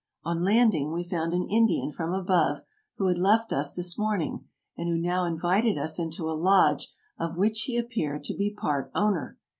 On landing, we found an Indian from above, who had left us this morning, and who now invited us into a lodge of which he appeared to be part owner.